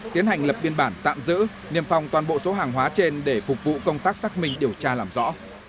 tiến hành lập biên bản tạm giữ niêm phòng toàn bộ số hàng hóa trên để phục vụ công tác xác minh điều tra làm rõ